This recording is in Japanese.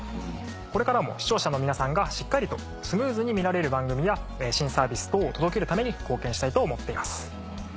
これからも視聴者の皆さんがしっかりとスムーズに見られる番組や新サービス等を届けるために貢献したいと思っています。